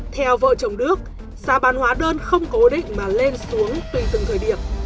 theo vợ chồng đức giá bán hóa đơn không cố định mà lên xuống tùy từng thời điểm